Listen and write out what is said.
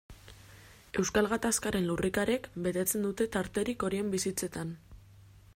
Euskal Gatazkaren lurrikarek betetzen dute tarterik horien bizitzetan.